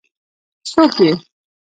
څوک يې؟